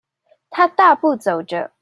他大步走著